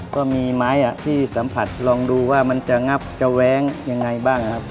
ก็มีไม้ที่สัมผัสลองดูว่ามันจะงับจะแว้งยังไงบ้างนะครับ